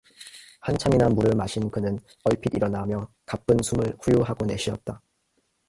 한참이나 물을 마신 그는 얼핏 일어나며 가쁜 숨을 후유 하고 내쉬었다.